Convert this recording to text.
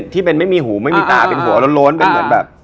ที่เป็นไม่มีหูไม่มีตาเป็นหัวโล้นเป็นเหมือนแบบ